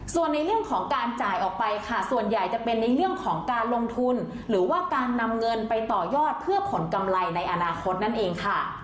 ส่วนในเรื่องของการจ่ายออกไปค่ะส่วนใหญ่จะเป็นในเรื่องของการลงทุนหรือว่าการนำเงินไปต่อยอดเพื่อผลกำไรในอนาคตนั่นเองค่ะ